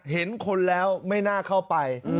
เห็นคนแล้วไม่น่าเข้าไป